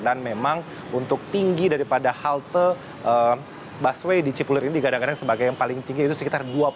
dan memang untuk tinggi daripada halte busway di cipulir ini digadang gadang sebagai yang paling tinggi